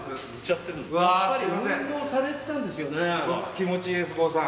気持ちいいです郷さん。